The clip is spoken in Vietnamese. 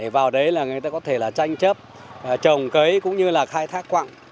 vào đấy là người ta có thể tranh chấp trồng cấy cũng như là khai thác quạng